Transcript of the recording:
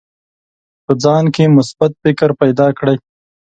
په ځان کې مثبت فکر پیدا کړئ.